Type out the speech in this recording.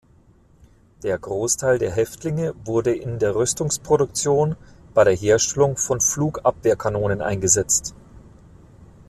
Der Großteil der Häftlinge wurde in der Rüstungsproduktion bei der Herstellung von Flugabwehrkanonen eingesetzt.